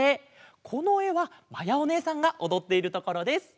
このえはまやおねえさんがおどっているところです。